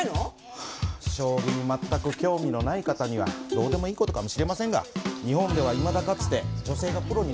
はあ将棋に全く興味のない方にはどうでもいい事かもしれませんが日本ではいまだかつて女性がプロになった事はありません。